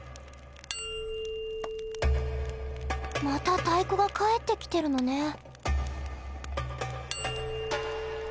また太鼓が返ってきてるのね。